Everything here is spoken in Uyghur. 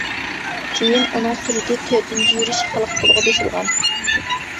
كېيىن ئۇنىڭ سۈرىتى تۆتىنچى يۈرۈش خەلق پۇلىغا بېسىلغان.